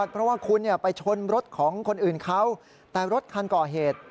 เพราะว่าคุณไปชนรถของคนอื่นเขาแต่รถคันก่อเหตุ